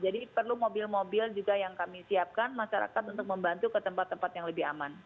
jadi perlu mobil mobil juga yang kami siapkan masyarakat untuk membantu ke tempat tempat yang lebih aman